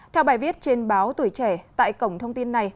theo bài viết trên báo tuổi trẻ tại cổng thông tin này